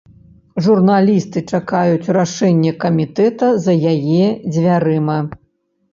Журналісты чакаюць рашэння камітэта за яе дзвярыма.